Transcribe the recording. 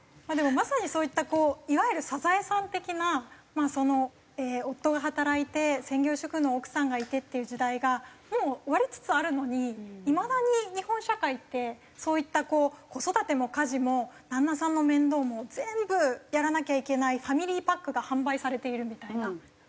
でもまさにそういったこういわゆる『サザエさん』的なまあその夫が働いて専業主婦の奥さんがいてっていう時代がもう終わりつつあるのにいまだに日本社会ってそういった子育ても家事も旦那さんの面倒も全部やらなきゃいけないファミリーパックが販売されているみたいな。